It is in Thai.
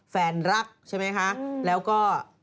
รักใช่ไหมคะแล้วก็